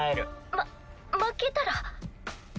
ま負けたら？